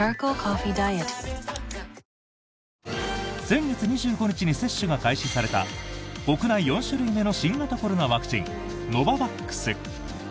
先月２５日に接種が開始された国内４種類目の新型コロナワクチンノババックス。